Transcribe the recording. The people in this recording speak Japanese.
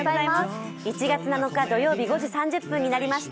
１月７日土曜日、５時３０分になりました。